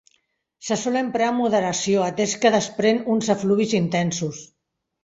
Se sol emprar amb moderació atès que desprèn uns efluvis intensos.